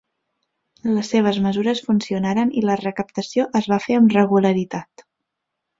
Les seves mesures funcionaren i la recaptació es va fer amb regularitat.